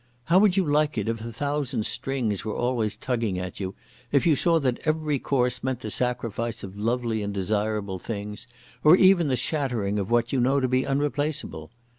How would you like it if a thousand strings were always tugging at you, if you saw that every course meant the sacrifice of lovely and desirable things, or even the shattering of what you know to be unreplaceable?